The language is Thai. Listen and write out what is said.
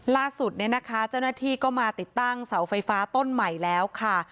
ล่าสุดเนี่ยนะคะเจ้าหน้าที่ก็มาติดตั้งเสาไฟฟ้าต้นใหม่แล้วค่ะ